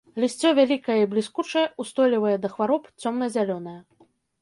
Лісце вялікае і бліскучае, устойлівае да хвароб, цёмна-зялёнае.